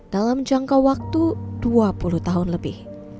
dalam jangka waktu dua puluh tahun lebih